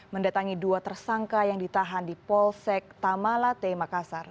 mendatangi dua tersangka yang ditahan di polsek tamalate makassar